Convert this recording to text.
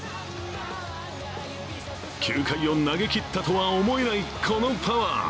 ９回を投げきったとは思えないこのパワー。